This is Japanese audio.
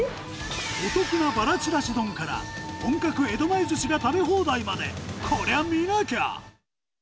お得なばらちらし丼から、本格江戸前ずしが食べ放題まで。